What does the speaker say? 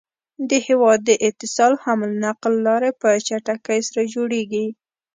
د هيواد د اتصال حمل نقل لاری په چټکی سره جوړيږي